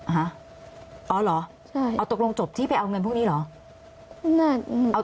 ฮะอ๋อเหรอเอาตกลงจบที่ไปเอาเงินพวกนี้เหรอ